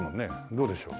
どうでしょう？